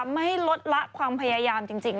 ไม่ลดละความพยายามจริง